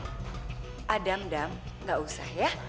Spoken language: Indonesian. mak adam dam gak usah ya